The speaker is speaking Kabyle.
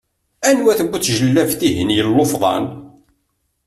Anwa-t bu tjellabt-ihin yellufḍan?